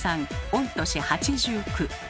御年８９。